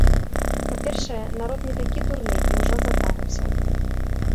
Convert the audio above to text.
Па-першае, народ не такі дурны і ўжо затарыўся.